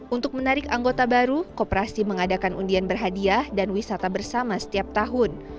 untuk menarik anggota baru kooperasi mengadakan undian berhadiah dan wisata bersama setiap tahun